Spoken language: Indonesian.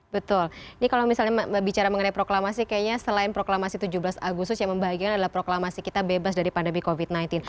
betul ini kalau misalnya bicara mengenai proklamasi kayaknya selain proklamasi tujuh belas agustus yang membahagiakan adalah proklamasi kita bebas dari pandemi covid sembilan belas